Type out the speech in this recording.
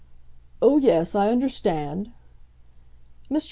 "Oh, yes; I understand." Mr.